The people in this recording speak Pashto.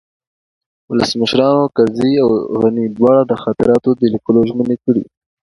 ولسمشرانو کرزي او غني دواړو د خاطراتو د لیکلو ژمني کړې